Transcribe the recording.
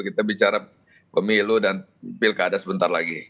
kita bicara pemilu dan pilkada sebentar lagi